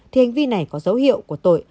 thì hành vi này có dấu hiệu của tội